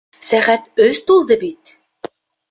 — Сәғәт өс тулды бит.